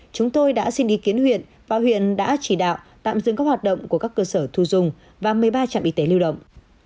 chúng tôi đã xin ý kiến huyện và huyện đã chỉ đạo tạm dừng các hoạt động của các cơ sở thu dùng và một mươi ba trạm y tế lưu động